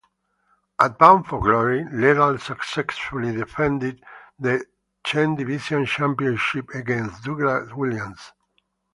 At Bound for Glory, Lethal successfully defended the X Division Championship against Douglas Williams.